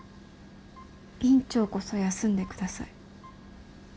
院長こそ休んでください。